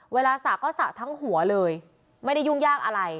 สระก็สระทั้งหัวเลยไม่ได้ยุ่งยากอะไร